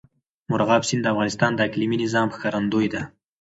مورغاب سیند د افغانستان د اقلیمي نظام ښکارندوی ده.